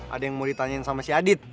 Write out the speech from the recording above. ada yang mau ditanyain sama si adit